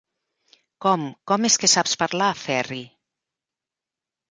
Com, com és que saps parlar, Ferri?